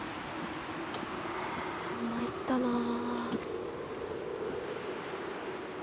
参ったなあ。